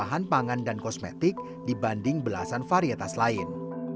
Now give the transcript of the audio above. jadi bahan pangan dan kosmetik dibanding belasan varietas lain